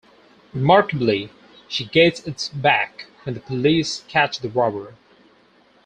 Remarkably she gets it back when the police catch the robber.